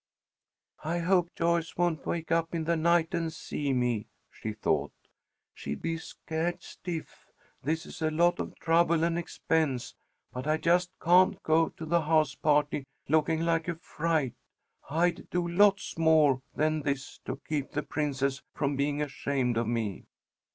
"I hope Joyce won't wake up in the night and see me," she thought. "She'd be scared stiff. This is a lot of trouble and expense, but I just can't go to the house party looking like a fright. I'd do lots more than this to keep the Princess from being ashamed of me."